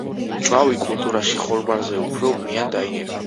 ჭვავი კულტურაში ხორბალზე უფრო გვიან დაინერგა.